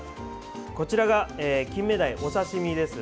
こちらがキンメダイのお刺身です。